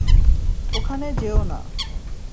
ওখানে যেও না।